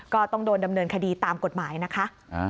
ก็ต้องโดนดำเนินคดีตามกฎหมายนะคะ